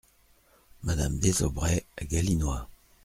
Madame Désaubrais , à Galinois.